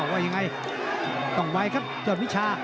ว่าอย่างไรเต้องไว้ครับจ่อดวิชา